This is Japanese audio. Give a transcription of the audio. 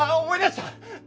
思い出した！